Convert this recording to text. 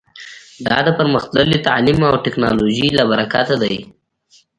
دا د پرمختللي تعلیم او ټکنالوژۍ له برکته دی